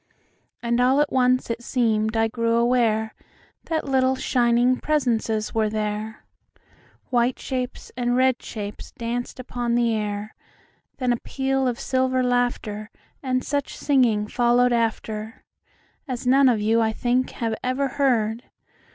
And all at once it seem'd I grew awareThat little, shining presences were there,—White shapes and red shapes danced upon the air; Then a peal of silver laughter, And such singing followed afterAs none of you, I think, have ever heard.